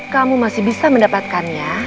kamu masih bisa mendapatkannya